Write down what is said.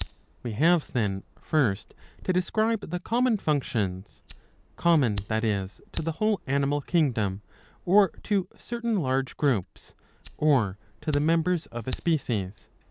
We have, then, first to describe the common functions, common, that is, to the whole animal kingdom, or to certain large groups, or to the members of a species.